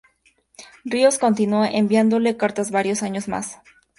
Ríos continuó enviándole cartas varios años más.